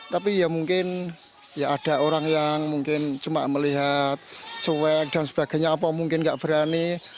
tapi ya mungkin ya ada orang yang mungkin cuma melihat cuek dan sebagainya apa mungkin nggak berani